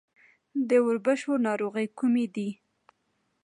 د وربشو ناروغۍ کومې دي؟